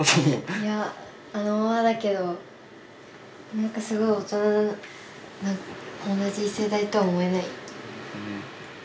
いやあのままだけどなんかすごい大人な同じ世代とは思えない。